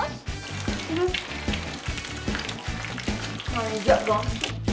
iyih punya orang yang beribang